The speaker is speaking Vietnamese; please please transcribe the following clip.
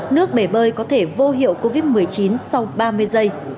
nước bể bơi có thể vô hiệu covid một mươi chín sau ba mươi giây